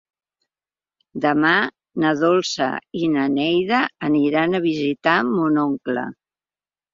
Demà na Dolça i na Neida aniran a visitar mon oncle.